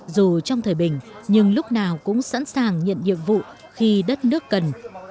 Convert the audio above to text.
dù trong thời bình nhưng lúc nào cũng sẵn sàng nhận nhiệm vụ khi đất nước cần